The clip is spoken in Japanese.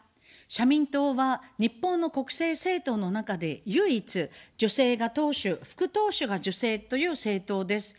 社民党は、日本の国政政党の中で、唯一、女性が党首・副党首が女性という政党です。